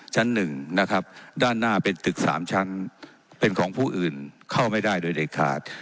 ชั้นหนึ่งนะครับด้านหน้าเป็นตึก๓ชั้นเป็นของผู้อื่นเข้าไม่ได้โดยเด็ดขาด